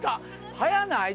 早ない？